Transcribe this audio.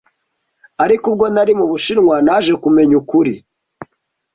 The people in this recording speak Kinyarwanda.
Ariko ubwo nari mu Bushinwa naje kumenya Ukuri.